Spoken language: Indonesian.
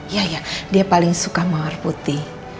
iya ya dia paling suka mawar putih